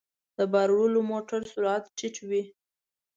د بار وړلو موټر سرعت ټيټ وي.